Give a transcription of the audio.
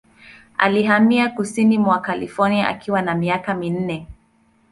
Alihamia kusini mwa California akiwa na miaka minne.